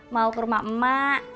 mau ke rumah emak